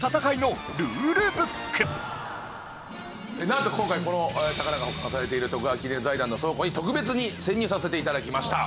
なんと今回この宝が保管されている川記念財団の倉庫に特別に潜入させて頂きました。